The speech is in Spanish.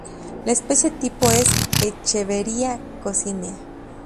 La especie tipo es "Echeveria coccinea".